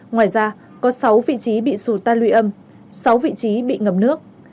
ngoài ra có sáu vị trí bị sụt tan luy âm sáu vị trí bị ngầm nước